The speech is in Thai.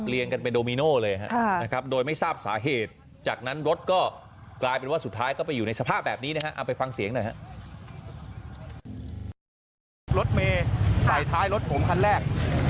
เรียงกันเป็นโดมิโนเลยครับโดยไม่ทราบสาเหตุจากนั้นรถก็กลายเป็นว่าสุดท้ายก็ไปอยู่ในสภาพแบบนี้นะครับเอาไปฟังเสียงด้วยครับ